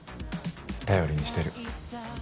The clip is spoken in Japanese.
頼りにしてる。